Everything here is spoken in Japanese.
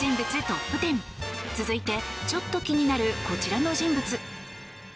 トップ１０続いて、ちょっと気になるこちらの人物。